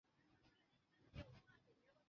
文昌市属海南省省直辖县级行政单位。